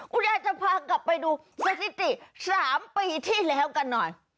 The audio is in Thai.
คุณยายจะพากลับไปดูสถิติ๓ปีที่แล้วกันหน่อย